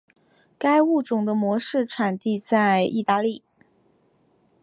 该物种的模式产地在意大利。